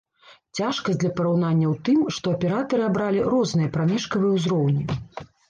Цяжкасць для параўнання ў тым, што аператары абралі розныя прамежкавыя ўзроўні.